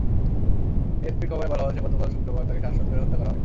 এএফপির খবরে বলা হয়েছে, গতকাল শুক্রবার তাঁকে শ্বাসরোধ করে হত্যা করা হয়।